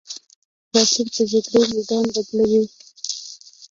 راکټ د جګړې میدان بدلوي